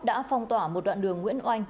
đã phong tỏa một đoạn đường nguyễn oanh